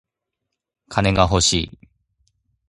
金が欲しい。